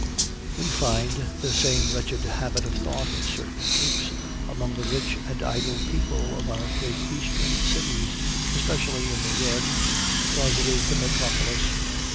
We find the same wretched habit of thought in certain groups among the rich and idle people of our great eastern cities, especially in New York, because it is the metropolis.